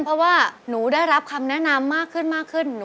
เพราะว่าหนูได้รับคำแนะนำมากขึ้นมากขึ้น